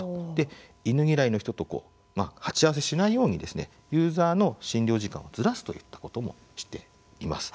犬嫌いの人と鉢合わせしないようにユーザーの診療時間をずらすといったこともしています。